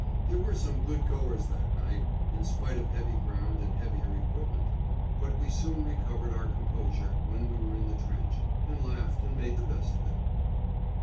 There were some good goers that night, in spite of heavy ground and heavier equipment; but we soon recovered our composure when we were in the trench, and laughed and made the best of it.